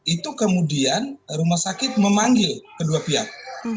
itu kemudian rumah sakit memanggil kedua pihak